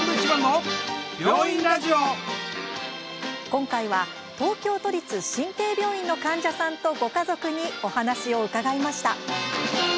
今回は東京都立神経病院の患者さんとご家族にお話を伺いました。